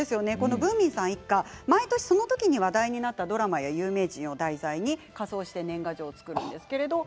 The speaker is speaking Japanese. ぶーみんさん一家は毎年、その時に話題なったドラマや有名人を題材に仮装して年賀状を作っています。